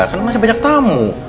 karena masih banyak tamu